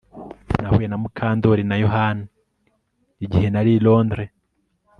Nahuye na Mukandoli na Yohani igihe nari i Londres